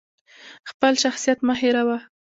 خپل شخصیت مه هیروه!